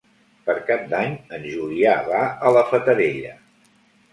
Per Cap d'Any en Julià va a la Fatarella.